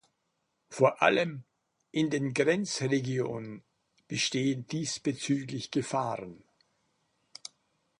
Vor allem in den Grenzregion bestehen diesbezüglich Gefahren.